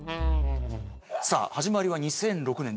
さあ始まりは「２００６年１８歳」。